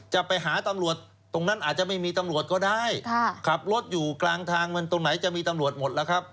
จะไปหาตำรวจที่อันนั้นอาจจะไม่มีก็ได้ขับรถอยู่กลางทางไหนจะมีตำรวจหมดละครับ